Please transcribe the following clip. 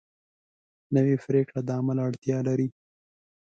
نوې پریکړه د عمل اړتیا لري